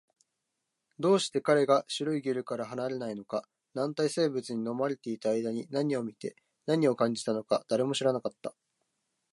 どうして彼が白いゲルから離れないのか、軟体生物に飲まれていた間に何を見て、何を感じたのか、誰も知らなかった